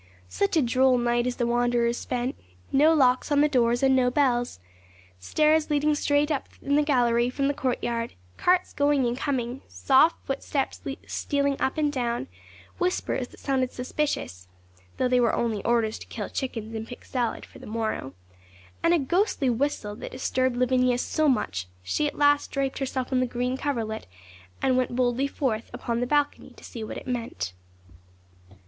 Such a droll night as the wanderers spent! No locks on the doors and no bells. Stairs leading straight up the gallery from the courtyard, carts going and coming, soft footsteps stealing up and down, whispers that sounded suspicious (though they were only orders to kill chickens and pick salad for the morrow), and a ghostly whistle that disturbed Lavinia so much, she at last draped herself in the green coverlet, and went boldly forth upon the balcony to see what it meant.